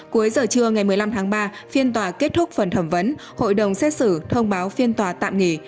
cuối giờ trưa ngày một mươi năm tháng ba phiên tòa kết thúc phần thẩm vấn hội đồng xét xử thông báo phiên tòa tạm nghỉ